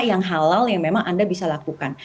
yang halal yang memang anda bisa lakukan